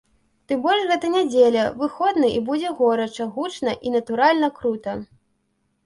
Тым больш гэта нядзеля, выходны і будзе горача, гучна і, натуральна, крута.